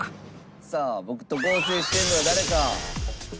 さあ僕と合成しているのは誰か？